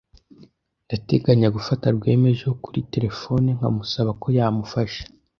Ndateganya gufata Rwema ejo kuri terefone nkamusaba ko yamufasha.